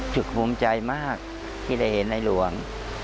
ฉุกมุมใจมากที่ได้เห็นนายหลวง